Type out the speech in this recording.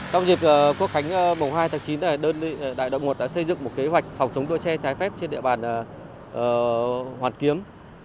trong dịp quốc khánh bầu hai tháng chín đại đội một đã xây dựng một kế hoạch phòng chống đua che trái phép trên địa bàn hoàn kiếm